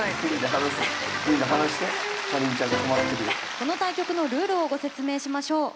この対局のルールをご説明しましょう。